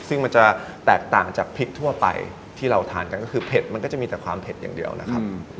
ซึ่งมันจะแตกต่างจากพริกทั่วไปที่เราทานกันก็คือเผ็ดมันก็จะมีแต่ความเผ็ดอย่างเดียวนะครับ